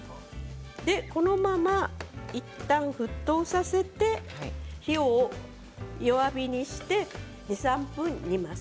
このままいったん沸騰させて火を弱火にして２、３分煮ます。